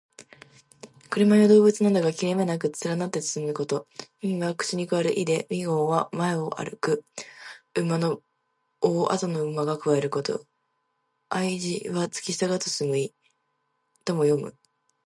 車や動物などが切れ目なく連なって進むこと。「銜」は口にくわえる意で、「銜尾」は前を行く馬の尾をあとの馬がくわえること。「相随」はつきしたがって進む意。「銜尾相随う」とも読む。